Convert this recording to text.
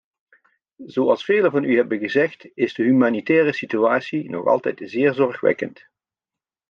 Zoals velen van u hebben gezegd, is de humanitaire situatie nog altijd zeer zorgwekkend.